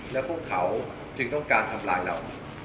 แล้วพวกเขาจึงต้องการทำลายเรา